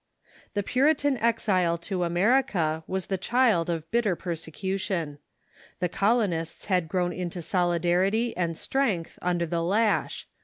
The Puritan exile to America was the child of bitter persecution. The colonists had grown into solidarity and strength under the lash.